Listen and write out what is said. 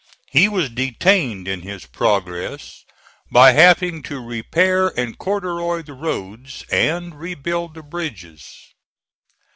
He was detained in his progress by having to repair and corduroy the roads, and rebuild the bridges.